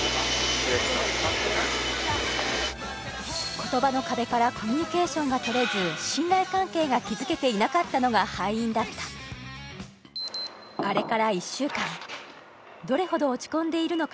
言葉の壁からコミュニケーションがとれず信頼関係が築けていなかったのが敗因だったあれから１週間どれほど落ち込んでいるのか